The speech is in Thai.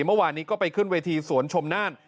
เมื่อวานนี้ก็ไปขึ้นเวทีสวนชมน่าน